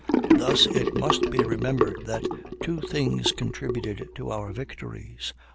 Thus, it must remembered that two things contributed to our victories.